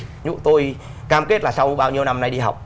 ví dụ tôi cam kết là sau bao nhiêu năm nay đi học